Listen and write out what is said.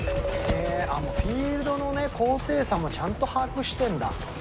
フィールドの高低差もちゃんと把握してんだ。